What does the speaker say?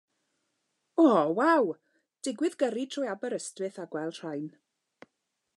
Oh waw, digwydd gyrru drwy Aberystwyth a gweld rhain.